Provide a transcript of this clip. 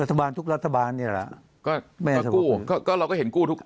รัฐบาลทุกรัฐบาลเนี่ยแหละก็แม่มากู้ก็ก็เราก็เห็นกู้ทุก